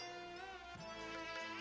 aku mau ke rumah